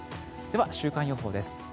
では、週間予報です。